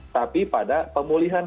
tapi pada pemulihan